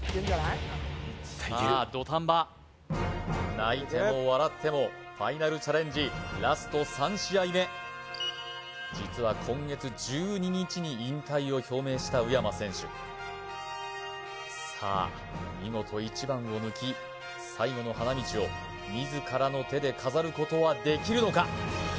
絶対いけるさあ土壇場泣いても笑ってもファイナルチャレンジラスト３試合目実は今月１２日に引退を表明した宇山選手さあ見事１番を抜き最後の花道を自らの手で飾ることはできるのか？